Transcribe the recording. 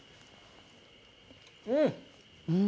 うん。